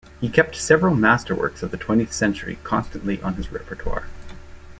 He kept several masterworks of the twentieth century constantly on his repertoire.